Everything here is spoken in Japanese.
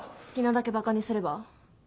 好きなだけバカにすれば？